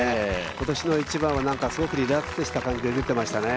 今年の１番はすごくリラックスした感じで出てましたね。